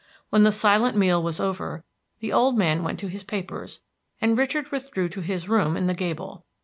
When the silent meal was over the old man went to his papers, and Richard withdrew to his room in the gable.